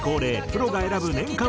プロが選ぶ年間